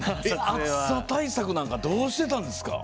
暑さ対策なんかどうしてたんですか？